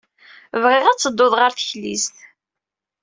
Bɣiɣ ad teddud ɣer teklizt.